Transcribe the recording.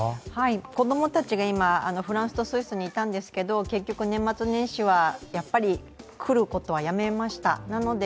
子供たちが今、フランスとスイスにいたんですけど結局年末年始はやっぱり来ることはやめました。